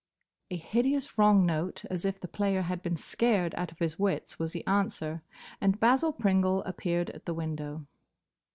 A hideous wrong note, as if the player had been scared out of his wits, was the answer, and Basil Pringle appeared at the window.